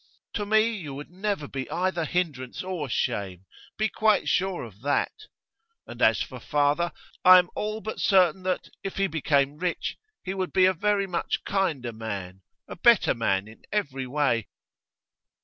'To me you would never be either hindrance or shame; be quite sure of that. And as for father, I am all but certain that, if he became rich, he would be a very much kinder man, a better man in every way.